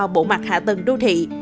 bộ mặt hạ tầng đô thị